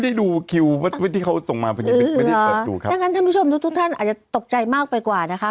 ท่านพี่ชมทุกท่านจะตกใจตกใจมากไปกว่านะคะ